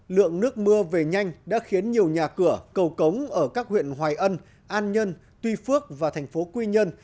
lượng nước mưa về nhanh đã khiến nhiều nhà cửa cầu cống ở các huyện hoài ân an nhân tuy phước và thành phố quy nhơn